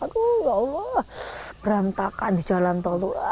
aduh ya allah berantakan di jalan tol tuh